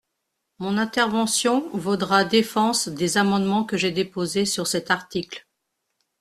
Mon intervention vaudra défense des amendements que j’ai déposés sur cet article.